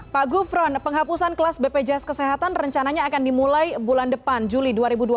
pak gufron penghapusan kelas bpjs kesehatan rencananya akan dimulai bulan depan juli dua ribu dua puluh